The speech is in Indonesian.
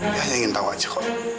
saya hanya ingin tahu aja kok